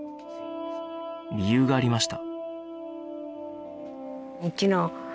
理由がありました